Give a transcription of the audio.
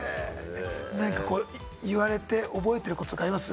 何か言われて覚えてることとかあります？